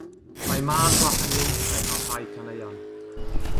Mae mân wahaniaethau mewn rhai caneuon.